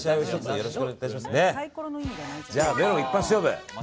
じゃあ、メロン一発勝負。